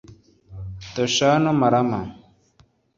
Donashano Malama